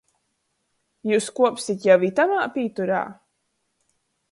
Jius kuopsit jau itamā pīturā?